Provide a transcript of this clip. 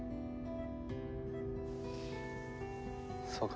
そうか。